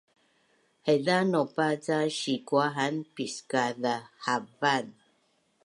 Haiza naupa ca sikua haan piskazhavan?